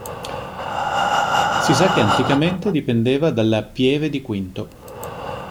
Si sa che anticamente dipendeva dalla pieve di Quinto.